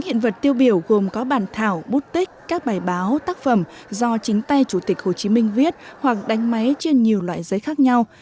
hiện vật tiêu biểu gồm có bản thảo bút tích các bài báo tác phẩm do chính tay chủ tịch hồ chí minh viết hoặc đánh máy trên nhiều loại giấy khác nhau